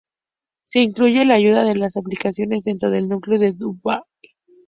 Se incluye la ayuda de las aplicaciones dentro del núcleo de Drupal.